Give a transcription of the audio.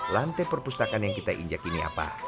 lantai perpustakaan yang kita injak ini apa